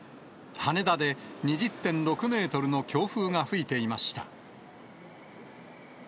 羽田で２０．６メートルの強風が吹いていました。